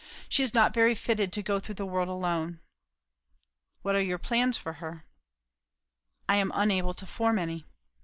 she is not very fitted to go through the world alone." "What are your plans for her?" "I am unable to form any."